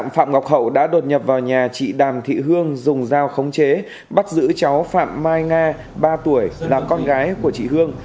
phạm ngọc hậu đã đột nhập vào nhà chị đàm thị hương dùng dao khống chế bắt giữ cháu phạm mai nga ba tuổi là con gái của chị hương